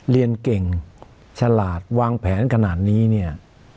เรียนเก่งฉลาดวางแผนขนาดนี้เนี่ย